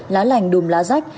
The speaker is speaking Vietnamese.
lá lành đùm lá rách